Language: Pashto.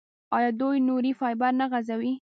آیا دوی نوري فایبر نه غځوي؟